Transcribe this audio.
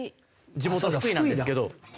地元が福井なんですけど。